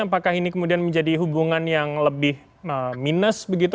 apakah ini kemudian menjadi hubungan yang lebih minus begitu